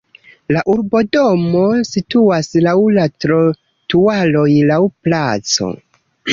La urbodomo situas laŭ la trotuaroj laŭ placo.